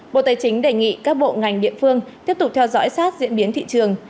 bộ tài chính đề nghị các bộ ngành địa phương tiếp tục theo dõi sát diễn biến thị trường